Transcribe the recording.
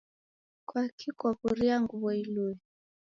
kwaki kwaw'uria nguw'o ilue?